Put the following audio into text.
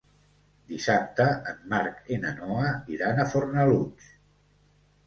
Dissabte en Marc i na Noa iran a Fornalutx.